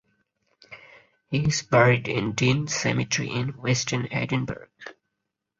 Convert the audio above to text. He is buried in Dean Cemetery in western Edinburgh.